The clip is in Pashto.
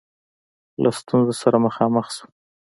له ستونزو سره مخامخ سوه.